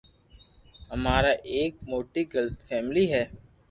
امارآ ايڪ موٽي فآملي ھي